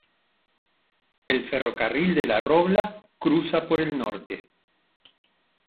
El ferrocarril de La Robla cruza por el norte.